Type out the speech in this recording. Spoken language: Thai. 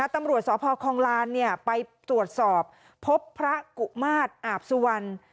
ตำรวจสพคลองลานไปตรวจสอบพบพระกุมาตรอาบสุวรรณ